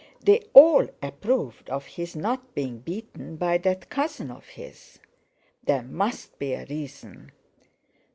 They all approved of his not being beaten by that cousin of his. There must be a reason!